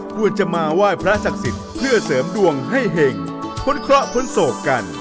ควรจะมาไหว้พระศักดิ์สิทธิ์เพื่อเสริมดวงให้เห็งพ้นเคราะห์พ้นโศกกัน